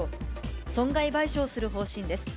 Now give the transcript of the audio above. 損害賠償する方針です。